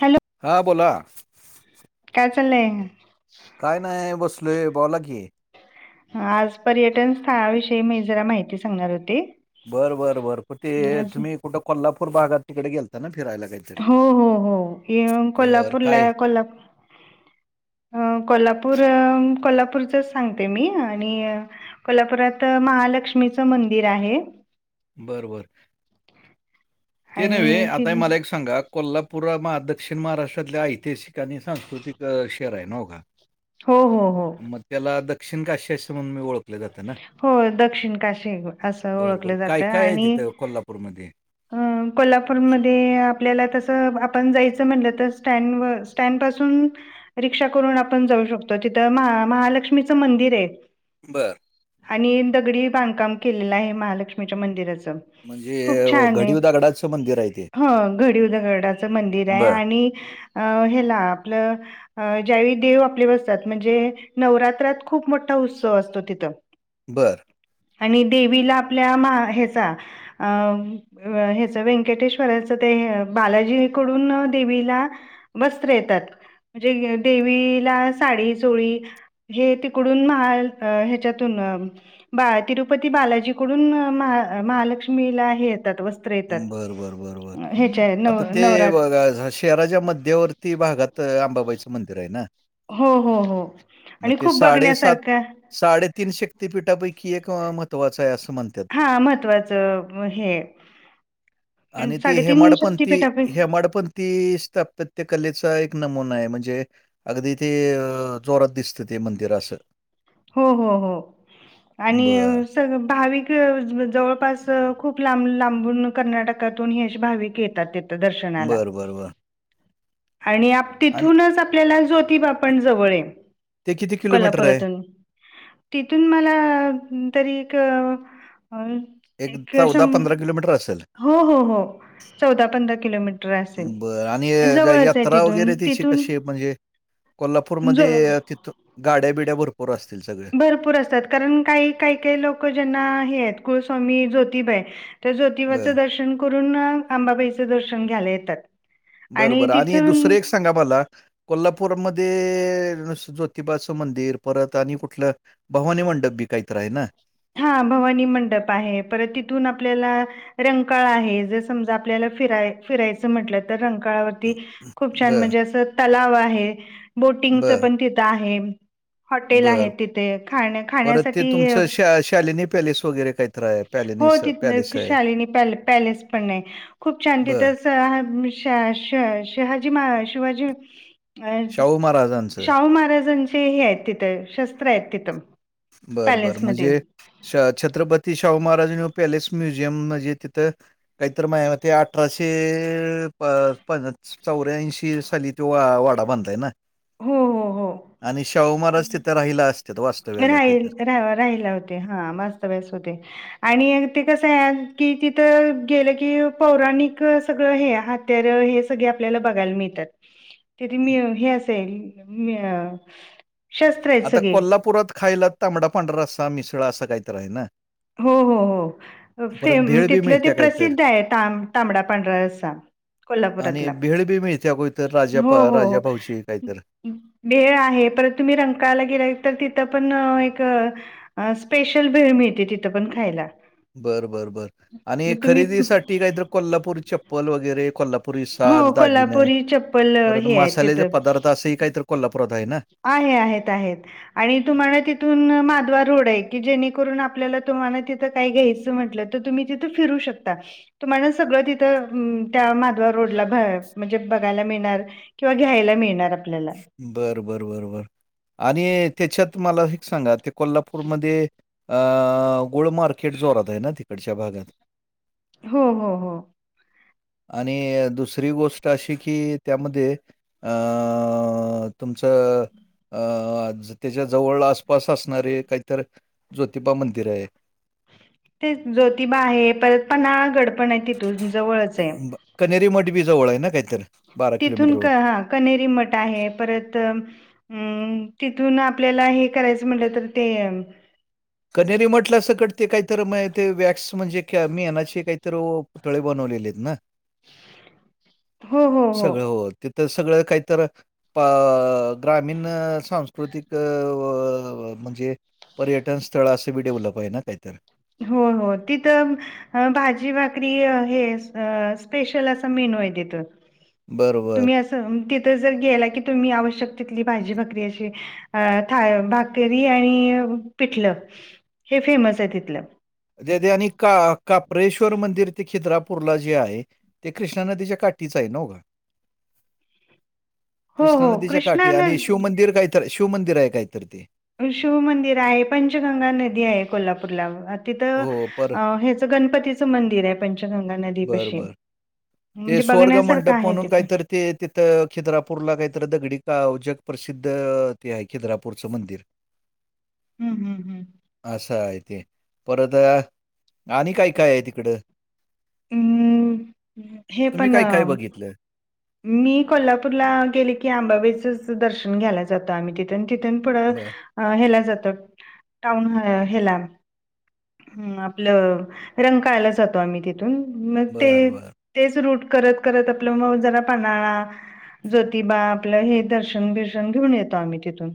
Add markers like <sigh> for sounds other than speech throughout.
Hello. हा बोला. काय चालय? काय नाही बसलोय, बोला की. आज पर्यटन स्थळाविषयी मी जरा माहिती सांगणार होती. बर- बर -बर प ते तुम्ही कुठे कोल्हापूर भागात तिकडे गेलता ना फिरायला काही. हो -हो- हो कोल्हापूरला काय कोल्हापूर अ कोल्हापूर कोल्हापूरचच सांगते मी आणि कोल्हापुरात महालक्ष्मीच मंदिर आहे. बर-बर ते नव्हे आणि ति आता मला एक सांगा. कोल्हापूर दक्षिण महाराष्ट्रातल्या ऐतिहासिक आणि सांस्कृतिक शहर आहे ना. हो का. हो हो हो. मग त्याला दक्षिण काशीअसे म्हणून मी ओळखत ल्या जात ना, हो दक्षिण काशी असं बर बर ओळखलं काय? जातं काय आहे? आणि तिथ कोल्हापूरमध्ये. अ कोल्हापूरमध्ये आपल्याला तस आपण जायच म्हटल तर स्टँडवर स्टँड पासून रिक्षा करून आपण जाऊ शकतो तिथ महालक्ष्मीच मंदिर आहे. बर. आणि दगडी बांधकाम केलेल आहे महालक्ष्मीच्या मंदिराच. म्हणजे खूप अ, छान घडीव दगडाचं आहे मंदिर आहे ते ह घडीव दगडाच मंदिर आहे बर आणि... अ हे ला आपल अ ज्यावेळी देव आपले बसतात म्हणजे नवरात्रात खूप मोठा उत्सव असतो तिथ. बर. आणि देवीला आपल्या मा ह्याचा अ अ ह्याच व्यंकटेश्वराच ते बालाजीकडून देवीला.. वस्त्र येतात म्हणजे देवीला साडी चोळी. हे तिकडून महा ह्याच्यातून अ बा तिरुपती बालाजीकडून अ महालक्ष्मीला हे येतात व बरबर बरबर. नव आता ते नवरात बघा झा शहराच्या मध्यवर्ती भागात अंबाबाई च मंदिर आहे ना. हो हो हो आणि खूप बघण्यासारखा साडेतीन शक्ततीपीठापैकी एक महत्वाचा आहे, अस म्हणतात. हा महत्त्वाच आ हे. आणि ती साडेतीन शक्तीपीठापै हेमडपंथी- हेमडपंथी ती स्थापत्य कलेचा एक नमुना आहे म्हणजे अगदी ती जोरत दिसते त मंदिर अस हो हो हो आणि बरं. सर्वे भाविक जवळपास खूप लांब लांबून कर्नाटकातून अशे भाविक येतात ते. दर्शनाला बरं, बरं, बरं. आणि आणि तिथूनच आपल्याला जोतिबा आपण जवळ हे. ते किती किलोमीटर आहे. तिथून मला तरी एक हा एक एकशम किलोमीटर असेल? हो- हो -हो. चौदा पंधरा किलोमीटर असेल बरं आणि अ, ज जवळच आहे तिथून तिथून. ज कोल्हापूरमध्येध्ये, तिथ गाड्या बिड्या भरपूर असतील सगळे. भरपूर असतात कारण काही काही काही लोक ज्यांना हे आहेत कुलस्वामी जोतिबा. त्या बरं. ज्योतिबाच दर्शन करून आंबाबाईच दर्शन घ्यायला येतात. बरं आणि बरं तिथून दुसरं एक सांगा मला कोल्हापूरमध्ये ज्योतिबाच आ मंदिर परत आणि कुठल भवानी मनडपं बी काय तरी आहे ना, हा भवानी मंडप आहे परत तिथून आपल्याला रंकाळ आहे. जर समजा आपल्याला फिरा फिरायच म्हटल तर रंकाळावर हं, हं. खूप छान बर म्हणजे अस तलाव आहे. बोटिंगच बर पण तिथ आहे. हॉटेल बर आहेत तिथे. खाण्या परत ते -खाण्यासाठी तुमचं शा शालिनी पॅलेस वर हो तिथ शालिनी पॅलेस पण आहे. खूप छान तिथ बर <unintelligible> म शिवाजी अ शाहू महाराजांचं शाहू महाराजांचे हे आहेत तिथ शस्त्र आहेत तिथ. बर बर म्हणजे, छत्रपती शाहू महाराजा पॅलेस म्युझियम म्हणजे तिथ काहीतरी माझ्यामते अठराशे अ अ पं चौऱ्याऐंशी साली तो वाडा बांधलाय ना. हो हो हो आणि शाहुमहाराज तिथे राहिला असत्यात वास्तव्याला. काहीतरी हे राहिले होते. हा वास्तव्यास होते. आणि ते कस आहे की तिथ गेल की पौराणिक सगळ हे तर, हे सगळे आपल्याला बघायला मिळतात. तरी मी हं. हे असेल मी शस्त्र आहेत आता सगळे कोल्हापुरात खायला तांबडा पांढरा रस्सा मिसळ असा काहीतरी आहे ना. हो -हो हो परत फेम भेळ बी तिथल ते मिळत्या काहीतरी प्रसिद्ध आहे त तांबडा पांढरा रस्सा. आणि कोल्हापुरातला बिळ बी मिळते्या गो इतर राजा राजाभाऊची काहीत वेळ आहे. पर तुम्ही रमकायला गेला तर तिथ पण एक अ स्पेशल भेळ मिळते तिथ पण खायला. बर बर बर आणि मग तुम्ही खरेदीसाठी काहीतरी कोल्हापूर चप्पल वगैरे. कोल्हापुरी हो साज, दागिनं, कोल्हापुरी चप्पल अ, परंत हे आहे मसालेचे तिथं पदार्थ, असहि काहीतर कोल्हापुरात हाय ना? आहे, आहेत, आहे. आणि तुम्हाला तिथून माधवा रोड ये, की जेणेकरून आपल्याला तुम्हाला तिथ तिथं काई घ्यायचं म्हंटल त तुम्ही तिथं फिरू शकता, तुम्हाला सगळ तीथ म त्यां मा रोडला भ म्हणजे बघायला मिळणार किंवा घ्यायला मिळणार आपल्याला. बरं बर बर बर. आणि त्याच्यात मला हे सांगा, ते कोल्हापूरमध्ये अ गूळ मार्केट जोरात ये ना, तिकडच्या भागात? हों हों हो. आणि दुसरी गोष्ट अशी की, त्यामध्ये अ अ तुमचं अं त्याच्या जवळ आसपास असणारे, काहीतर ज्योतिबा मंदिर ये ते ज्योतिबा आहे, परत पन्हाळा गड पण ये तिथून, जवळच ये. ब, कनेरी मट बी जवळ ये ना, काहीतर? तिथून क् हां कनेरी मठ आहे, परत हम्, तिथून आपल्याला, हे करायचं म्हटलं तर ते कनेरी मटला अस कटते काहीतर माय ते वॅक्स, म्हणजे क्या मेनाचे काहीतर ओ तळे बनवलेले त ना? हो, हो, सगळं हो त. तर सगळं काहीतर प ग्रामीण, सांस्कृतिक त व, म्हणजे पर्यटन स्थळ असं बी डेव्हलप ये ना काहीतर? हो हो तिथं अ भाजी भाकरी य हे स्पेशल असं मेनु आहे, तिथं बरोबर तुम्ही असं म तिथं जर गेला की, तुम्ही आवश्यक तिथली भाजी भाकरी अशी अ, थाय भाकरी आणि पिठलं, हे फेमस ये तिथलं. दे, दैनिका, काप्रेश्वर मंदिर ते खीद्रापूरला जे आहे ते कृष्णा नदीच्या काठीचं आहे नव? <inaudible> हो कृष्णा हो नदीच्या कृष्णा काठी न आणि शिवमंदिर काहीतर, शिवमंदिर आहे काहीतर ते. शिव मंदिर आहे, पंचगंगा नदी आहे, कोल्हापूरला अ तिथं हो, पर अ, हेचं गणपतीचं मंदिर ये पंचगंगा नदी बरं, पशी. बरं. ते म्हणजे स्वर्ग बघण्यासारखं मंडप आहे म्हणून ते पण काहीतर ते तिथं खिद्रापूरला काहीतरी दगडी काव जग प्रसिद्ध, ते हाय खिद्रापूरचं मंदिर. हम्म हम्म हम्म. असं हाय ते, परत अ आणि काय-काय ये तिकडं? हम्, हे तुम्ही पण अ काय-काय बघितलं? मी कोल्हापूरला गेले की, आंबाबाईचंच दर्शन घ्यायला जातो आम्ही तिथून, तिथून पुढ बरं, हेला जातात, टाऊन हेला, अ आपलं रंकाळ्याला जातो आम्ही तिथून, मग ते बरं, बरं. तेच रूट करत-करत आपलं म, जरा पान्हाळा ज्योतिबा आपलं, हे दर्शन-बिर्शन घेऊन येतो आम्ही तिथून.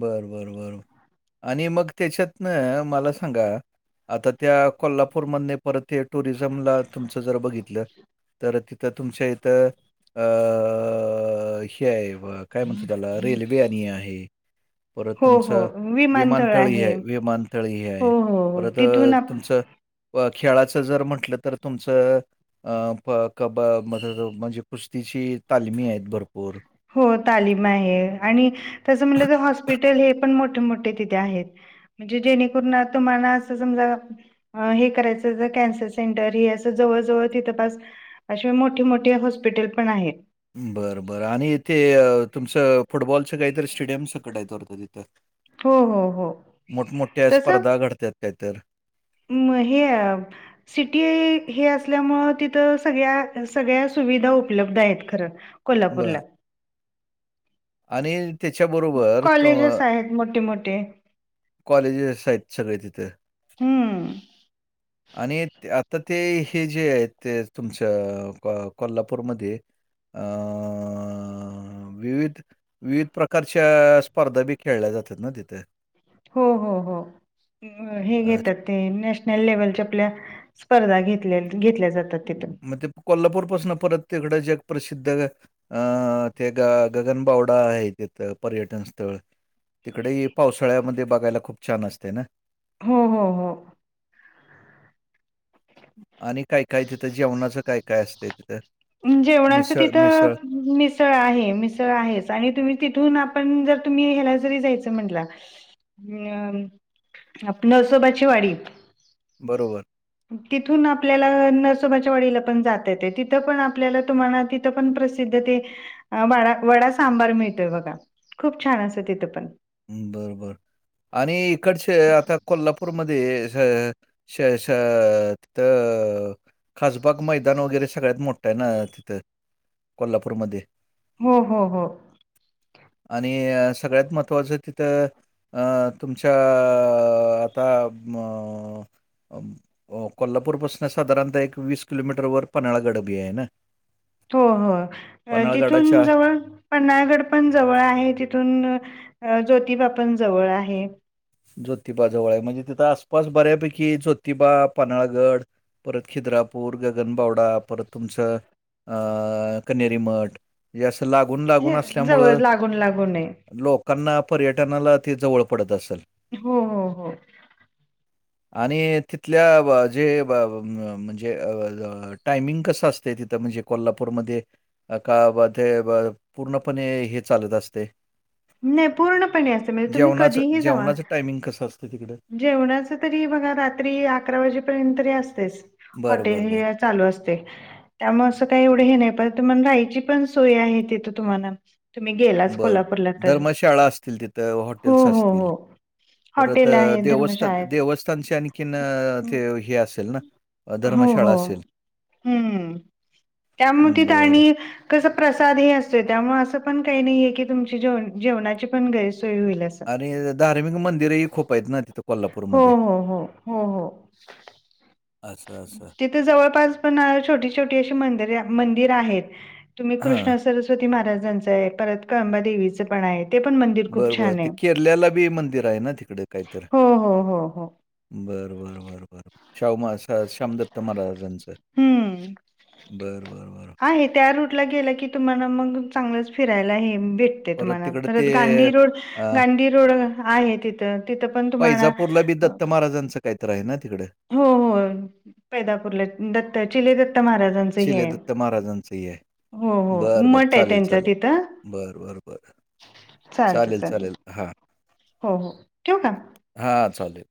बरं, बरं, बर, आणि मग त्याच्यातणं मला सांगा आता त्या, कोल्हापूरमधनं परत ते टुरिझमला तुमचं जर बघितलं तर तिथं तुमच्या इथं अ अ अ, हे आहे बघ काय म्हणतो, त्याला रेल्वे आणि हे आहे. परत तुमचं विमानतळ ही आहे, विमानतळ ही हो आहे हो हो परत अ तिथून आप तुमचं खेळाच जर म्हटलं तर तुमचं अ, ब, क, ब, मददो म्हणजे कुस्तीची तालमी आहेत भरपूर हो तालीम आहे आणि तसं म्हणलं तर हॉस्पिटल हे पण मोठे, मोठे तिथे आहेत म्हणजे जेणेकरून आ तुम्हाला असं समजा हं हे करायचं जर कॅन्सर सेंटर हे असं जवळ, जवळ तिथं पास अशे मोठे, मोठे हॉस्पिटल पण आहेत बरं, बरं आणि ते तुमचं फुटबॉलचं काहीतरी स्टेडियम सकट आहेत वाटतं तिथं हो हो हो मोठमोठ्या तसं स्पर्धा घडतात काहीतर म हे अ सिटी हे असल्यामुळे तिथं सगळ्या, सगळ्या सुविधा उपलब्ध आहेत खरं कोल्हापूरला बरं आणि त्याच्याबरोबर तो कॉलेजेस आहेत मोठे, मोठे कॉलेजेस आहेत सगळे तिथं हम्म आणि आता ते हे जे आहेत ते तुमच्या कोल्हापूरमध्ये आ विविध, विविध प्रक कारच्या स्पर्धा बी खेळल्या जातात ना तिथ हो, हो, हो हे अ, घेतात ते नॅशनल लेव्हलच्या आपल्या स्पर्धा घेतल्यात घेतल्या जातात तिथं मग ते कोल्हापूर पासून परत तिकडं जग प्रसिद्ध अं ते ग गगनबावडा आहे तिथं पर्यटन स्थळ तिकडे ही पावसाळ्यामध्ये बघायला खूप छान असते ना हो, हो, हो आणि काय, काय तिथं जेवणाचं काय, काय असतें तिथं जेवणाचं मिसळ, मिसळ. तिथं मि सळ आहे, मिसळ आहेच आणि तुम्ही तिथून आपण जर तुम्ही ह्याला जरी जायचं म्हटलां हम् आपलं नरसोबाची वाडी बरोबर तिथून आपल्याला नसोबाच्या वाडीला पण जात येतय तिथं पण आपल्याला तुम्हाला तिथं पण प्रसिद्ध ते डा वडा सांबार मिळतोय बघा खूप छान असं तिथं पण बर, बर आणि इकडचे आता कोल्हापूरमध्ये ह श श तिथं खासबाग मैदान वगैरे सगळ्यात मोठं आहे ना तिथं कोल्हापूरमध्ये हो, हो, हो आणि सगळ्यात मत त्त्वाच तिथं तुमच्या आता म अ कोल्हापूरपसून साधारणतः एक वीस किलोमीटर वर पन्हाळा गड बी आहे ना हो, हो तिथून पन्हाळगडाच्या जवळ पन्हाळगड पण जवळ आहे तिथून ज्योतिबा पण जवळ आहे ज्योतिबाजवळ आहे म्हणजे तिथं आसपास बऱ्यापैकी ज्योतिबा पन्हाळगड परत खिद्रापूर गगनबावडा परत तुमचं आ कनेरीमठ म्हणजे अस लागून लागून हे जवळ असल्यामुळं लागून लागून आहे. लोक कांना पर्यटनाला ते जवळ पडत असल. हो हो हो. आणि तिथल्या व जे अ म म्हणजे अ ज टायमिंग कसं असतय तिथं म्हणजे कोल्हापूरमध्ये अ का बा पूर्णपणे हे चालत असते. नाय पूर्णपणे असते म्हणजे तुम्ही जेवणाचं कधीही जावा जेवणाचं टायमिंग कसं असत तिकड जेवणाच तरी बघा रात्री अकरा वाजेपर्यंत तरी असतेच बरं हॉटेल बरं बरं हे चालू असतय. त्यामुळ असं काय एवढं हे नाय परत तुम्हाला राहायची पण सोय आहे तिथं तुम्हाला तुम्ही गेलाच बरं. कोल्हापूरला तर धर्मशाळा असतील तिथं, हो हॉटेल्स हो असतील. हो. परत हॉटेल अ, आहे. देवस्थान धर्मशाळेत. देवस्थानचे आणखीन अ ते हे असेल ना हो, धर्मशाळा हो. असेल. हम्म त्यामुळ तिथं बरं आणि कस प्रसादही असतोय त्यामुळ असं पण काही नाहीये की तुमची जेव जेवणाची पण गैर सोय होईल अस नाही आता धार्मिक मंदिरही खूप हायेत ना तिथं हो हो हो हो हो. अस अस तिथं जवळपास पण छोटी छोटी अशी मंदिरे मंदिर आहेत तुम्ही हां. कृष्ण स्वती महाराजांचं आहे परत कळंबा देेवीचं पण आहेत. बरं बरं ते केर्ल्याला बी मंदिर हाय ना तिकड कायतर हो हो हो हो बरं बरं बरं बरं शाहूम श्याम दत्त महाजांचं हाय हम्म. बरं बरं बरं आहे त्या रूटला गेला की तुम्हाला मग चांगलंच फिरायला हे भेट ते परत तुम्हाला तिकडं ते परत गांधी रोड अ, गांधी रोड आहे तिथ तिथ पैजापूरला बी दत्त महाराजांचं कायतर हाय ना तिकड हो हो पैदापूरला येत दत्त चिले दत्त महाराज शिलेदत्त महाराजांचं ये हाय हो हो बर बर मठ आहे चालेल त्यांचा चालेल तिथं बर बर बर चालत चालेल चालत चालेल हां हो हो ठेवू का? हां चालेल